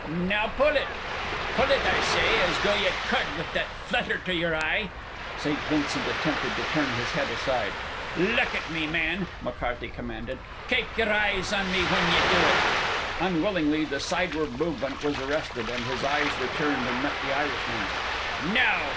"Now pull it. Pull it, I say. As though ye cud, with that flutter to yer eye." St. Vincent attempted to turn his head aside. "Look at me, man!" McCarthy commanded. "Kape yer eyes on me when ye do it." Unwillingly the sideward movement was arrested, and his eyes returned and met the Irishman's. "Now!"